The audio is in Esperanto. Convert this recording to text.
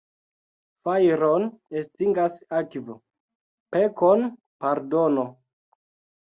Fajron estingas akvo, pekon pardono.